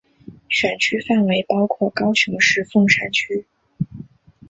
选区范围包括高雄市凤山区。